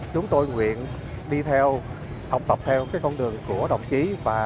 chúng tôi nguyện đi theo học tập theo con đường của đồng chí